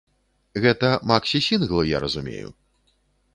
Гэта максі-сінгл, я разумею?